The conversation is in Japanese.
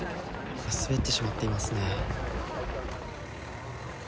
滑ってしまっていますね。